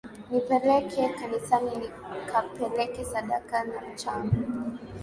Nipeleke kanisani nikapeleke sadaka na mchango